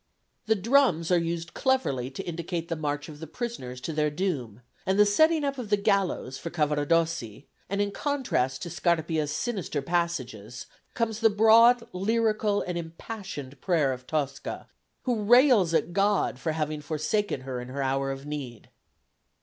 The drums are used cleverly to indicate the march of the prisoners to their doom, and the setting up of the gallows for Cavaradossi, and in contrast to Scarpia's sinister passages, comes the broad lyrical and impassioned prayer of Tosca, who rails at God for having forsaken her in her hour of need.